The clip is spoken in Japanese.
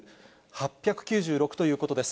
８９６ということです。